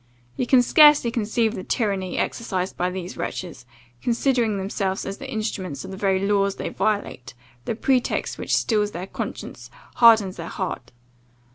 You can scarcely conceive the tyranny exercised by these wretches: considering themselves as the instruments of the very laws they violate, the pretext which steels their conscience, hardens their heart.